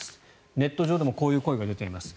ネット上でもこういう声が出ています。